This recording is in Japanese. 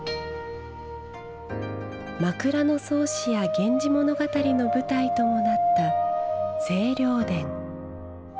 「枕草子」や「源氏物語」の舞台ともなった清涼殿。